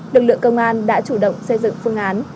lực lượng công an đã chủ động xây dựng phương án